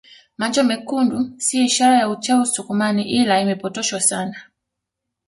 Macho mekundi si ishara ya uchawi usukumani ila imepotoshwa sana